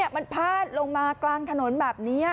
มันพาดลงมากลางถนนแบบนี้